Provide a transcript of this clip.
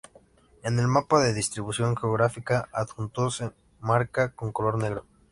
En el mapa de distribución geográfica adjunto se marca con color negro.